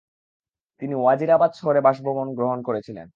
তিনি ওয়াজিরাবাদ শহরে বাসভবন গ্রহণ করেছিলেন।